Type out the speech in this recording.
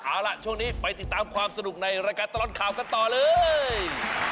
เอาล่ะช่วงนี้ไปติดตามความสนุกในรายการตลอดข่าวกันต่อเลย